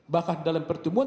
bahkan dalam pertemuan